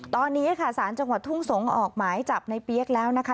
ตอนนี้ค่ะสารจังหวัดทุ่งสงศ์ออกหมายจับในเปี๊ยกแล้วนะคะ